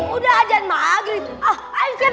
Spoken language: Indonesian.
udah aja maghrib